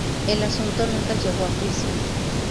El asunto nunca llegó a juicio.